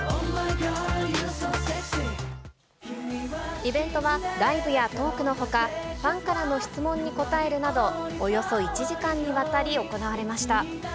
イベントは、ライブやトークのほか、ファンからの質問に答えるなど、およそ１時間にわたり行われました。